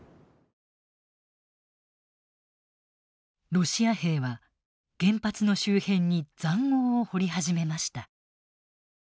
ロシア兵は原発の周辺に塹壕を掘り始めました。